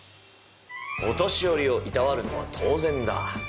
お年寄りをいたわるのは当然だ。